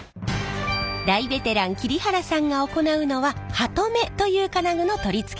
大ベテラン桐原さんが行うのはハトメという金具の取り付け作業。